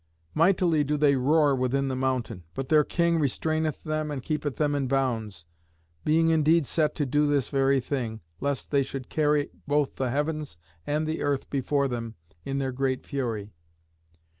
Mightily do they roar within the mountain, but their king restraineth them and keepeth them in bounds, being indeed set to do this very thing, lest they should carry both the heavens and the earth before them in their great fury.